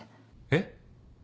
えっ！